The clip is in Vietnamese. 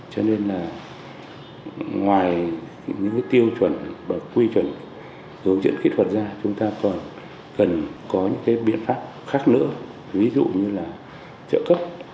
cho nên là ngoài những tiêu chuẩn và quy chuẩn hướng dẫn kỹ thuật ra chúng ta còn cần có những biện pháp khác nữa ví dụ như là trợ cấp